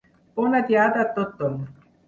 Bona diada a tothom!